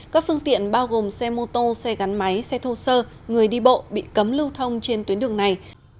các phương tiện bao gồm xe mô tô xe gắn máy xe thô sơ người đi bộ bị cấm lưu thông trên tuyến đường này